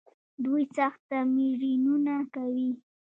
دوی سخت تمرینونه کوي.